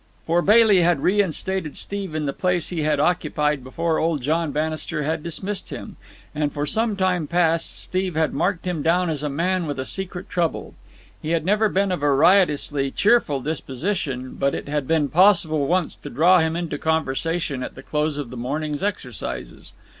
For Bailey had reinstated Steve in the place he had occupied before old John Bannister had dismissed him, and for some time past Steve had marked him down as a man with a secret trouble. He had never been of a riotously cheerful disposition, but it had been possible once to draw him into conversation at the close of the morning's exercises.